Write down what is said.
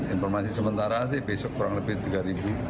informasi sementara sih besok kurang lebih tiga ribu